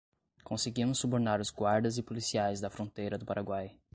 Conseguimos subornar os guardas e policiais da fronteira do Paraguai